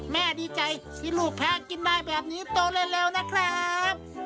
ดีใจที่ลูกแพ้กินได้แบบนี้โตเร็วนะครับ